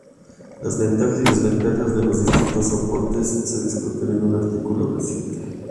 Las ventajas y desventajas de los distintos soportes se discuten en un artículo reciente.